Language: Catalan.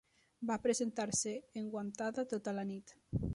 Va presentar-se enguantada tota la nit.